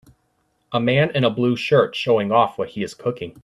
A man in a blue shirt showing off what he is cooking.